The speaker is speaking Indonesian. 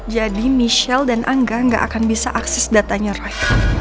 jadi michelle dan angga gak akan bisa akses datanya roy